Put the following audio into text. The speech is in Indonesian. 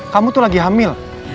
kamu tuh lagi hamil